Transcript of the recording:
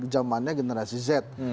zamannya generasi z